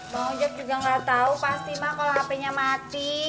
bang ojek juga enggak tau pasti mah kalau hpnya mati